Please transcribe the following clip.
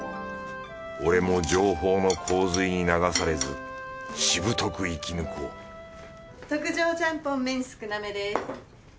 俺も情報の洪水に流されずしぶとく生き抜こう特上ちゃんぽん麺少なめです。